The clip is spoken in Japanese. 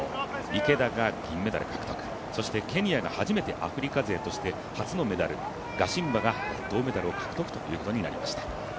池田が銀メダル獲得、そしてケニアが初めてアフリカ勢として初めてのメダル、ガシンバが銅メダルを獲得しました。